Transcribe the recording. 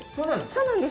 そうなんです。